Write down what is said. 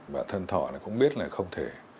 và thân thọ cũng biết là không thể